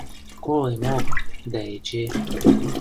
Колемок... дӓ эче...